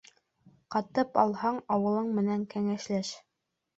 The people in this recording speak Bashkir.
Ҡатып алһаң, ауылың менән кәңәшләш.